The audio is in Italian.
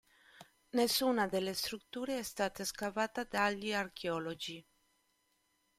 Nessuna delle strutture è stata scavata dagli archeologi.